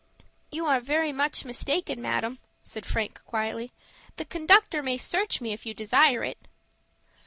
"You are very much mistaken, madam," said Frank, quietly. "The conductor may search me, if you desire it."